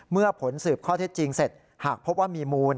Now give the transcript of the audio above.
เมื่อผลสืบข้อเท็จจริงเสร็จหากพบว่ามีมูล